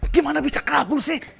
gimana bisa kabur sih